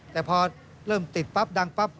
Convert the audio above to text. แต่พอเริ่มติดปั๊บดังปั๊บ